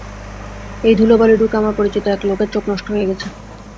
এই ধুলাবালি ঢুকে আমার পরিচিত এক লোকের চোখ নষ্ট হয়ে গেছে।